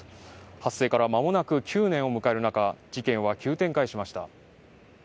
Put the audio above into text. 発生から間もなく９年を迎える中事件は急展開しました。